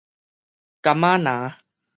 柑仔林